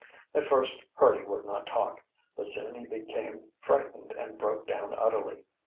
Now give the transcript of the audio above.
At first Hurdy would not talk, but soon he became frightened and broke down utterly.